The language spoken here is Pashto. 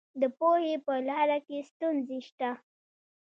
د پوهې په لاره کې ستونزې شته.